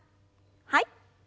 はい。